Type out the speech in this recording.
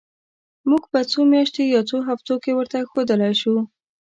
موږ په څو میاشتو یا څو هفتو کې ورته ښودلای شو.